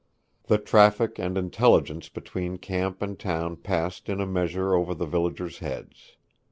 The traffic and intelligence between camp and town passed in a measure over the villagers' heads.